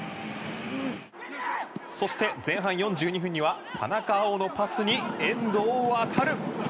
そして前半４２分には田中碧のパスに遠藤航。